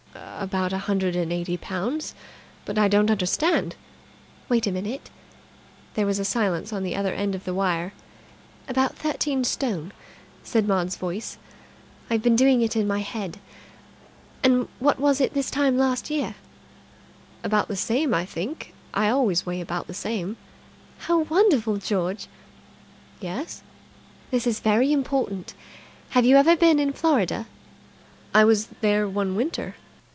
"About a hundred and eighty pounds. But I don't understand." "Wait a minute." There was a silence at the other end of the wire. "About thirteen stone," said Maud's voice. "I've been doing it in my head. And what was it this time last year?" "About the same, I think. I always weigh about the same." "How wonderful! George!" "Yes?" "This is very important. Have you ever been in Florida?" "I was there one winter."